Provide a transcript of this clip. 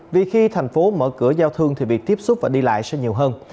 vì khi thành phố mở cửa giao thương thì việc tiếp xúc và đi lại sẽ nhiều hơn